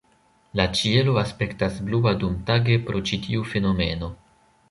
La ĉielo aspektas blua dumtage pro ĉi tiu fenomeno.